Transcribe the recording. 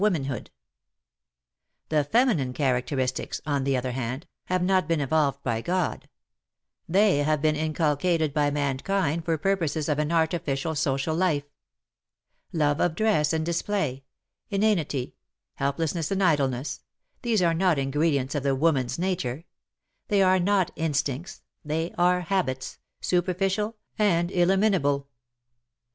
nanhood. The feminine characteristics, on the other WAR AND WOMEN 32^ hand, have not been evolved by God, — they have been inculcated by mankind for purposes of an artificial social life. Love of dress and dis play, inanity, helplessness and idleness — these are not ingredients of the woman s nature ; these are not instinctSy they are habits, super ficial and eliminable.